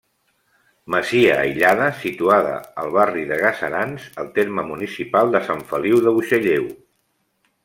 Masia aïllada situada al barri de Gaserans, al terme municipal de Sant Feliu de Buixalleu.